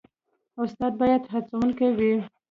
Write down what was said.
استاد باید هڅونکی وي